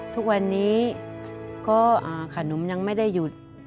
ทุกวันนี้ก็ขนมยังไม่ได้หยุด